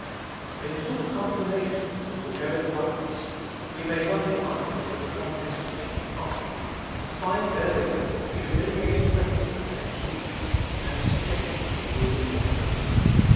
In full confirmation of the foregoing lines, we may run the eye over the contents of Chapter V. and find therein the humiliating record of man's weakness, and subjection to the rule of death.